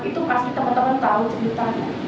itu pasti teman teman tahu ceritanya